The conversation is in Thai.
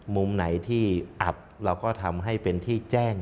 มุมไหนที่อับเราก็ทำให้เป็นที่แจ้ง